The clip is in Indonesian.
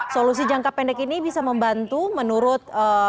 solusi jangka pendek ini bisa membantu menurut